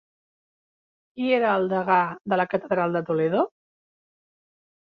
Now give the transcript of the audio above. Qui era el degà de la catedral de Toledo?